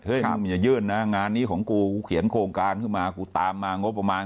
อย่ายื่นนะงานนี้ของกูกูเขียนโครงการขึ้นมากูตามมางบประมาณ